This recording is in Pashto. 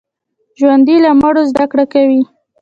ژوندي له مړو زده کړه کوي